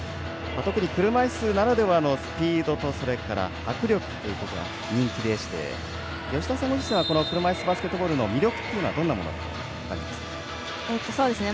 特に車いすならではのスピードと迫力が人気でして、吉田さん自身は車いすバスケットボールの魅力というのはどんなものを感じますか？